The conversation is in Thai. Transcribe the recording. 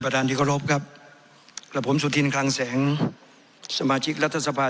ประธานดิกรบครับครับผมสุธินคลังแสงสมาชิกรัฐสภา